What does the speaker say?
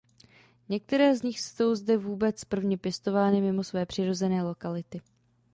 Některé z nich jsou zde vůbec prvně pěstované mimo své přirozené lokality.